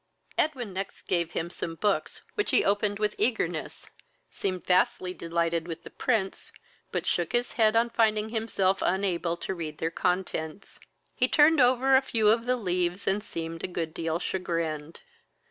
Edwin next gave him some books, which he opened with eagerness, seemed vastly delighted with the prints, but shook his head on finding himself unable to read their contents. He turned over a few of the leaves, and seemed a good deal chagrined.